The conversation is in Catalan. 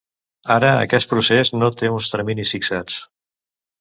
Ara, aquest procés no té uns terminis fixats.